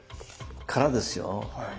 空ですよ。